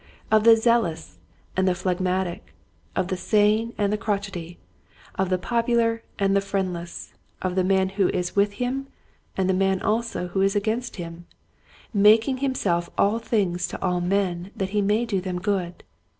of the zealous and the phlegmatic, of the sane and the crotchety, of the popular and the friendless, of the man who is with him and the man also who is against him, mak ing himself all things to all men that he may do them good.